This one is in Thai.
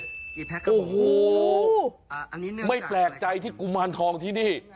กี่แพ็คครับผมโอ้โฮไม่แปลกใจที่กุมารทองที่นี่